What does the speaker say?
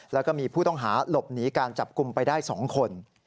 แล้วก็มีผู้ต้องหาหลบหนีการจับกลุ่มไปได้๒คน